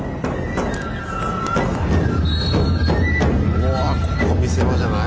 おわここ見せ場じゃない？